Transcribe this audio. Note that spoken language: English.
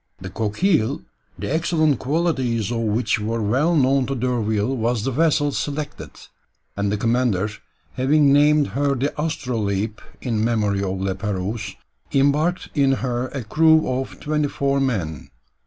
The Coquille, the excellent qualities of which were well known to D'Urville, was the vessel selected; and the commander having named her the Astrolabe in memory of La Pérouse, embarked in her a crew of twenty four men.